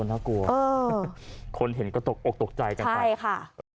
น่ากลัวคนเห็นก็ตกตกใจกันไป